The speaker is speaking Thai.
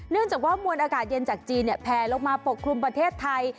เนื่องจากว่ามวลอากาศเย็นจากจีนแผลลงมาปกคลุมประเทศไทย